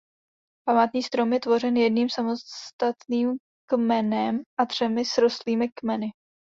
Památný strom je tvořen jedním samostatným kmenem a třemi srostlými kmeny.